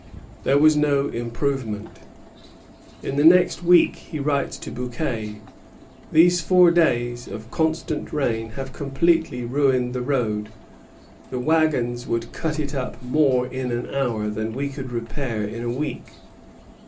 There was no improvement. In the next week he writes to Bouquet: "These four days of constant rain have completely ruined the road. The wagons would cut it up more in an hour than we could repair in a week.